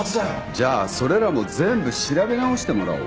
じゃあそれらも全部調べ直してもらおう。